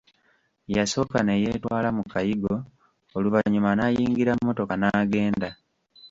Yasooka ne yeetwala mu kayigo, oluvanyuma n'ayingira mmotoka n'agenda!